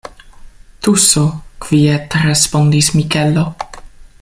Tuso, kviete respondis Mikelo.